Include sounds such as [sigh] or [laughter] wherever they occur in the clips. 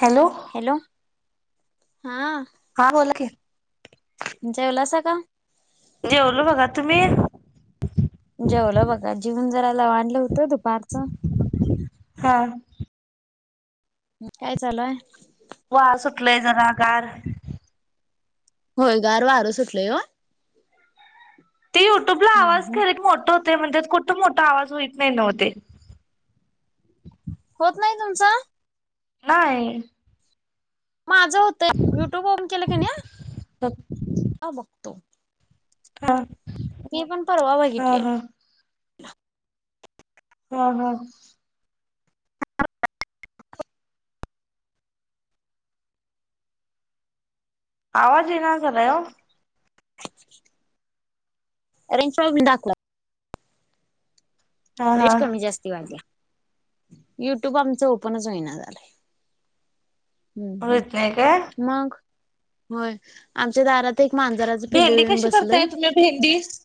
Hello, hello. हा बोला की. जेवलासा का? जेवलो बघा, तुम्ही? जेवलं बघा जीवन जरा लावाडलं होतं दु पारच. हा. काय चालु आहे? वा सुटलय जरा गार. होय गार वारं सुटलंय हो. ते युट्यूबला आवाज हम्म खरीत मोठ होतय म्हणत्यात कुठं मोठा आवाज होईत नाही नव ते. होत नाही तुमच. नाही. माझं होतंय युट्यूब ओपन केलं का नाही, हा अ बघतो. हा. मी पण परवा हा बघितले. हा हा. आवाज येईना झालायं ओ. रेंज प्रॉब्लेम दाख [unintelligible] हा रेंज हा कमी जास्ती, [unintelligible] युट्यूब आमचं ओपनच होईना झालंय. हम्म होत नाही काय हम्म मग होय आमच्या दारात ते एक मांजराचं पिल्लु येऊन बसलय. भेंडीस.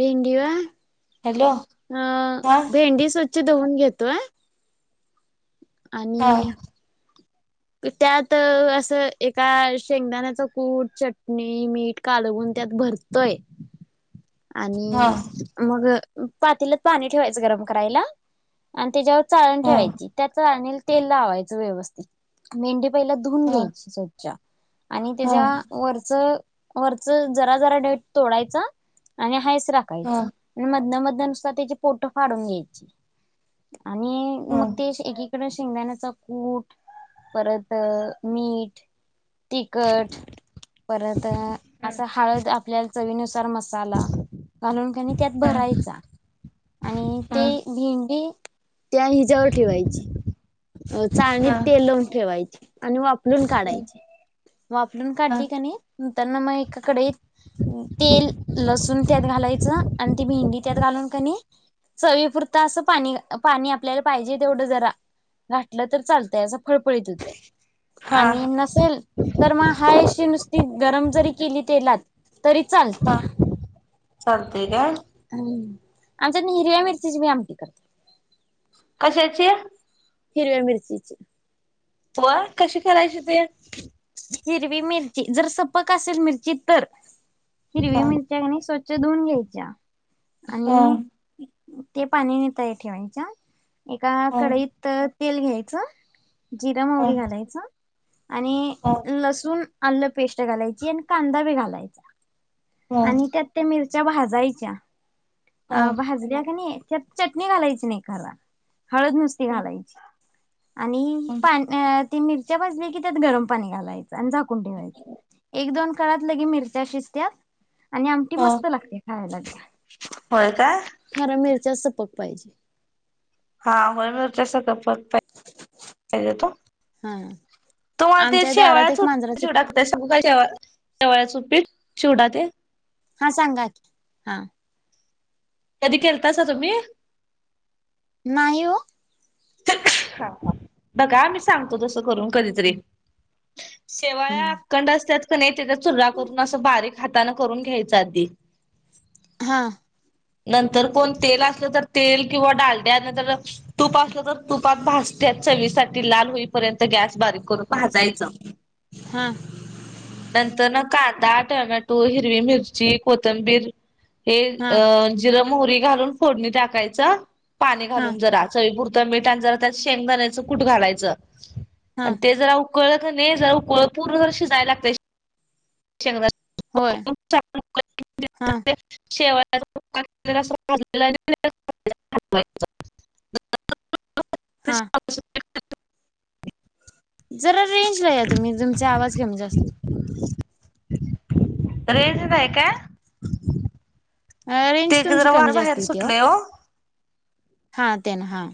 भिंडी वय. हॅलो. अ हा भेंडी स्वच्छ धुवून घेतोय. आणि हा त्यात असं एका शेंगदाण्याचं कूट, चटणी मीठ काढवुन त्यात भरतोय. हा आणि मग पातेल्यात पाणी ठेवायचं गरम करायला. आणि त्याच्यावर चाळण हा ठेवायची त्या चाळणीला तेल लावायचं व्यवस्थित. भेंडी पहिला धुवून घ्यायची स्वच्छ आणि हा हा त्याच्या वरच वरच जरा जरा देठ तोडायच आणि हायस राखायच. हा मधन मधन नुसता त्याची पोटो फाडून घ्यायची आणि हा मग ते एक थोड शेंगदाण्याचा कुट परत मीठ तिखट परत असा हळद आपल्या चवीनुसार मसाला. घालून कनी त्यात हम्म भरायचा. आणि ते भेंडी त्या हिच्यावर ठेवायची. चाळनीत हा हा तेल लावून ठेवायची आणि वाफलून काढायचे. वाफलुन काढली का नाही नंतर मग एका कढईत तेल, लसुण त्यात घालायचं आणि ती भेंडी त्यात घालून कनी चवीपुरता असं पाणी, पाणी आपल्याला पाहिजे तेवढं जरा घातलं तर चालतय असं फळफळीत होतय हा आणि हा नसेल तर मग हाय अशी नुसती गरम जरी केली तेलात तरी चाल हा चालतय घ्या. हम्म! आमच्यात हिरव्या मिरचीची बी आमटी करतात. कशाची हिरव्या मिरचीच. व्हय! कशी करायची ते? हिरवी मिरची, जर सपक असेल मिरची तर, हिरवी मिरची स्वच्छ धुऊन घ्यायच्या, हा आणि ते पाणी नितळायच ठेवायच्या, एका हा कढईत तेल घ्यायचं, जिर हा मवरी घालायचं. आणि हा लसूण आलं पेस्ट घालायची, आणि कांदा बी घालायचा. हा आणि त्यात ते मिरच्या भाजायच्या, हा अ भाजल्या क नाही त्यात चटणी घालायची नाही खर, हळद नुसती ह घालायची. आणि पा ती मिरच्या भजली की त्यात गरम पाणी घालायचं. झाकून ठेवायच, एक दोन काळात लगे मिरच्या शिजत्यात. आणि आमटी ह मस्त लागत्या खायला बी. होय काय खरा मिरच्या सपक पाहिजे. हा, होय [unintelligible] येतो, हा तुम्हाला ते आमच्या दारात शेवाळाच एक मांजराच चिवडा ते सांगू काय शेवाळ्याच उपीट, चिवडा ते हा, सांगा की, हा. कधी केलतासा तुम्ही? नाही ओ. बघा मी सांगतो तस करून कधीतरीे, शे हम्म! कंड असत्यात क नाही, त्याचा चुरा करून, असं बारीक हाताानं करून घ्यायच आधी. हां नंतर कोण तेल असलं तर तेल, किंवा डालड्या नंतर नयितर तुप असलं तर तुपात भाजत्यात चवीसाठी, लाल होईपर्यंत गॅस बारीक करून भाजायचं. हा नंतरन कांदा, टमॅटो, हिरवी मिरची, कोथंबीर, हे हा अ जिरं, मोहरी घालून फोडणी टाकायच, पाणी हा घालून जरा. चवीपुरत मीठ, आणि जरा त्या शेंगदाण्यायचं कुट घालायचं, हा आणि ते जरा ऊकळ कनई, जरा उकळू पूर्ण शिजाय लागतय होय हा [unintelligible] [inaudible] शेवा [unintelligible] [inaudible] हा [unintelligible] [inaudible] जरा रेंजला या तुम्ही, तुमचा आवाज कमी जास्त होतोय. रेंज नाही काय? रेंज ते तुमची जरा वार कमी बाहेर जास्ती होत्या ओ. सुटलंय हो. हा, त्यांन, हां.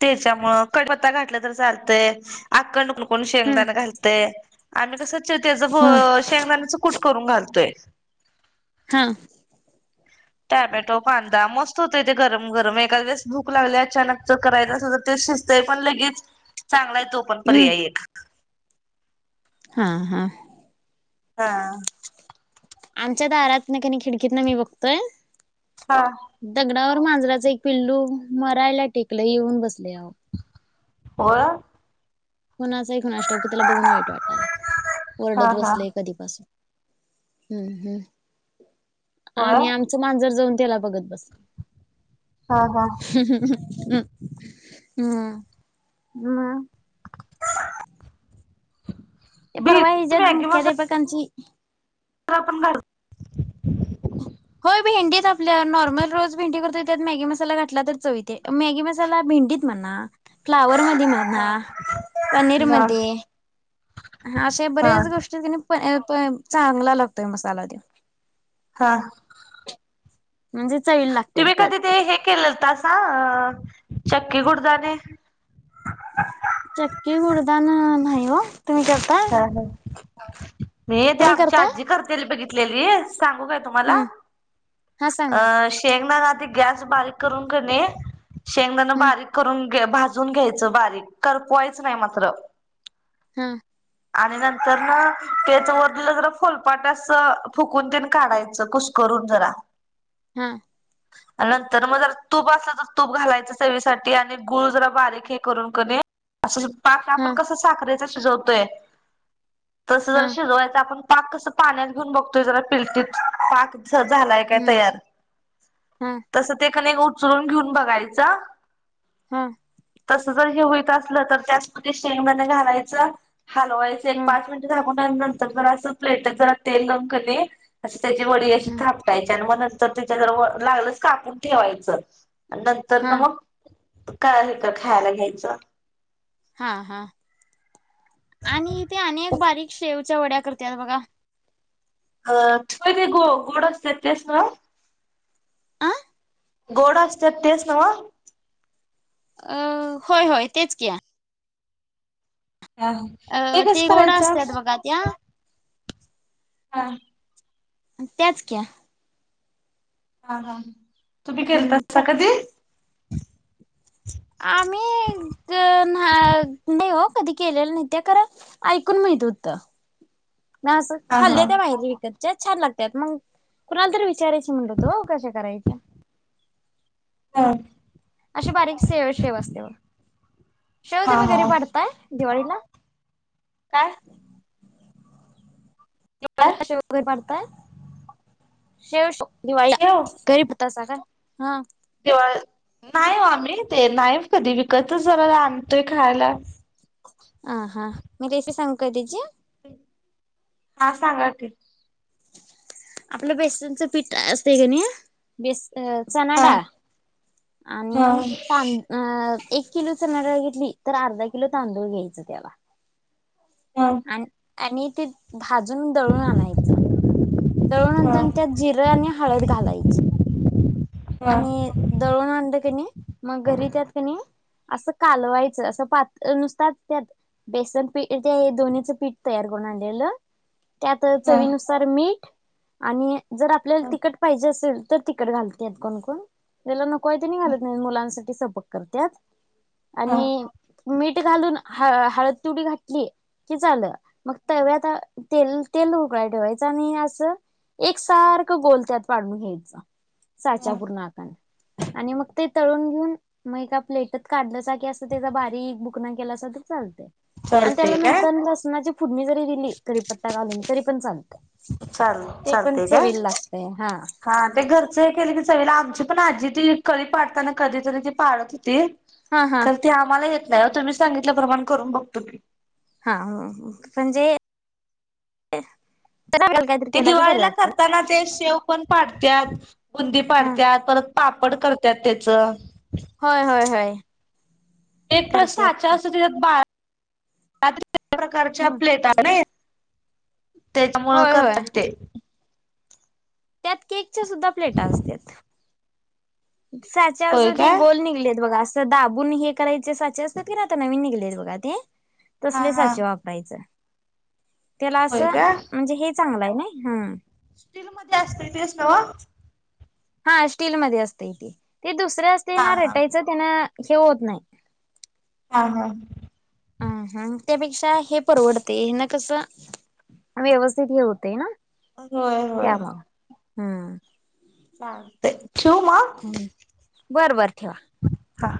त्याच्यामुळ, कडपत्ता घातलं तर चालतंय, अक्कंड कोण कोण हम्म शेंगदाना घालत ते आम्ही कसं च तेच, हा शेंगदाण्याचं कुट करून घालतोय. हां. टॅमॅटो, कांदा, मस्त होतय, ते गरम गरम, एखादेळेस भूक लागली अचानक तर करायच असल तर ते शि पण लगेच, चांगला आहे तो पण हम्म पर्याय एक. हा हा. हा. आमच्या दारातन कणी खिडकीत न मी बघतोय. हा. दगडावर मांजराच एक पिल्लू मरायला टेकलं येऊन बसलय अहो. व्हय. कुणाच ये कुणाष ठाऊक त्याला बघून वाईट वाटायलय, हा वरडत हा. बसलय. कधी पासून, हम् हम, होय. आणि आम च मांजर जाऊन त्याला बघत बसलंय. हा हा. हम्, म. ते बी परवा हीज्यात मुख्याध्यापकांची तर आपण घाड होय भेंडीत आपल्या नॉर्मल रोज भेंडी करतोय त्यात मॅगी मसाला घातला तर चव येत्या मॅगी मसाला भेंडीत म्हणा, फ्लावर मध्ये म्ह णा, हा पनीर मध्ये, अशे हा बर्याच गोष्टीत कनी अ प चांगला लागतोय मसाला त्यो. हा. म्हणजे चय तुम्ही कधी ते हे केलतसा अं, चक्की गुडदाने. चक्की गुडदानं नाही ओ. हा हा, मी ते तुम्ही आमची करताय आजी करत्याल बघि तलेली सांगू काय तुम्हाला, हम्म हा सांगा की अं शेंगदा आधी गॅस बारीक करून कणी, शेंगदाणा हम्म बारीक करून घे भाजून घ्यायचं बारीक करपवायचं नाही मात्र. हम्म. आणि नंतरनं त्याच वरलं जरा फोलपाट असं फुकून तेन काढायचं कस करून जरा. हा. [inaudible] नंतर म जरा तूप असलं तर तूप घालायचं चवीसाठी आणि गुळ जरा बारीक हे करून कनी असं पाक हा आपण कसं साखरेचा शिजवतोय. तसं हा जर शिजवायचं आपण पाक कसं पाण्यात घेऊन बघतोय जरा पिलटीत पाक तस झालाय काय हम्म तयार, हा तसं ते कणी उचलून घेऊन बघायचं. हम्म. तस जर हे होईत असलं तर त्याचमध्ये शेंगदाणे घालायचं. हलवायचं एक हा पाच मिनिटं झाकून ठेवायचं नंतर जरा असं प्लेटत जरा तेल लावून कनी अशी त्याची वडी अशी हम्म थापटायची आणि म नं तर त्याच्या जरा व लागलच कापून ठेवायचं, नंतर हा नं मग काय हे का खायला घ्यायचं. हा हा, आणि ते आणि एक ते बारीक शेवच्या वड्या करत्यात बघा? अ, व्हय ते गो - गोड असत्यात तेच नव्हं? आं. गोड असत्यात तेच नव्हं? अ होय होय तेच की. या हो, ते कसं करायचं? त्यां हां त्यांचं क्यां हां हां तुम्हीं हम्म कर केलतांस कां ते आम्हीं ते नाहीं हो कधीं केलेलं नाहीत त्यां खरं ऐकूंन माहित होतं मंग असं हा हा खांद्याच्या बाहेरचं विकतं त्यांचं छान लागत्यांत मंग कुणांला तरी विचारायचं म्हणलोतो ओ कश्या करायच्यां हो अशी बारीक सेव शेव असत्यां बघां शेव हा तुम्हीं हा घरी पाडतायं दिवाळीला कायं काय दिवाळीला शेव घरी पाडतांय शेव शेव दिवाळीला शेव घरी पाडतांसा कायं हां दिवाळीला नाहीं ओ आम्हीं ते नाहीं कधीं विकतचं जरां आणतोय खांयला हां हां मी रेसिपी सांगू कायं त्यांची हां सांगा की आपलं बेसनचं पीठ असतंय कां नाहीं बेस चना हा डाळं हा आणि तांद अं एक किलो चनाडाळं घेतली तरं अर्धा किलो तांदूळ घ्यायचं त्यांला हांव आणि आणि ते भाजूंन दळूंन आणायचं. दळूून हा नंतर त्यांत जिरे आणि हळंद घालायची. हा आणि दळूंन आणलं कणी मंग घरी त्यांत कणी असं कालवायचं असं पातळ नुसतांच त्यांत बेसन पीठ ते दोन्हीच पीठ तयार करूंन आणलेलं त्यांत हा चवीनुसार मीठ आणि जरं आपल्याला तिखट पाहिजे असेल तरं तिखट घालतं कोणकोण त्यांला नकोय ते नाहीं घालतं नाहीं मुलांसाठी सपोर्क करतं हा आणि मीठ घालूंन ह हळंद तिवडी घातली. कि झालं मंग तव्यांत तेल तेल उकळांय ठेवायचं आणि असं एक सारखं गोल त्यांत पाडूंन घ्यायचं हा साच्यां पूर्ण आंक आणि मंग ते तळूंन घेऊन मंग एका प्लेटत काढलं गॅस त्याचा बारीक पूकरणं केलां तरं चालते चालतय त्यांला काय नंतर लसणांची फूंडनी जरी दिली क करीपत्ता घालूंन तरी पणं चालतं चाल ते पणं चवीला लागतंय हां हां ते घरचं हे केले की चवीला आमची पणं आजी ती कळी पाडतांना कधीं तरी ती पाडतं होती हां हां खर ते आम्हांला येतं नाहीं तुम्हीं सांगितल्या प्रमाणे करूंन बघतो की हां म्हणजे ते केला की बरे दिवाळीला वाटते करतांना ते शेव पणं पाडत बुंदी हा पाडत्यां परंत. पापड करतांत त्यांचं होयं होयं होयं एक प्रश्न हेच्या साच्यां असते त्यांन पाड रात्री प्रकारच्या प्लेटाते त्यांच्यामुळे होय होय करतांत ते त्यांत केकच्या सुद्धां प्लेट असतांत. होय साच्या ते काय गोल निघलेत बघां असं दाबून हे करायचे साचे असतात की नाही आता नवीन निघलेत बघा ते हा तसले हा साचे वा करायच, त्याला होय असं काय म्हणजे हे चांगलं आहे ना हम स्टील मध्ये असते तेस नव? हा स्टीलमध्ये असत इथे ते दुसरं असते हा ना हा रेटायचं त्यांना हे होत नाही. हा, हा, आ ह, त्यापेक्षा हे परवडते ह्यान कसं व्यवस्थित हे होते ना. होय होय त्यामुळे, हम चालतंय, ठेवू मग? हम्, बर बर ठेवा. हा.